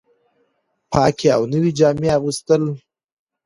پاکې او نوې جامې اغوستل